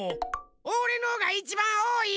おれのがいちばんおおい！